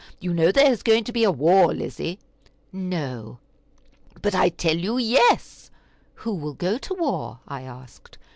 You know there is going to be war, Lizzie?" "No!" "But I tell you yes." "Who will go to war?" I asked.